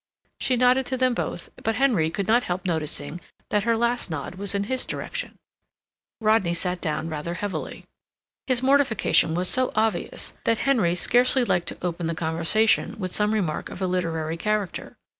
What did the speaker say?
She nodded to them both, but Henry could not help noticing that her last nod was in his direction. Rodney sat down rather heavily. His mortification was so obvious that Henry scarcely liked to open the conversation with some remark of a literary character.